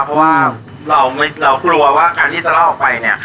เพราะว่าเรากลัวว่าการที่จะล่อออกไปเนี่ย